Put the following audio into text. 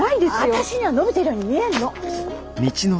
私には伸びてるように見えんの。